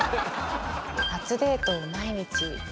「初デートを毎日」。